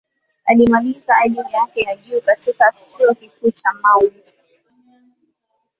Alimaliza elimu yake ya juu katika Chuo Kikuu cha Mt.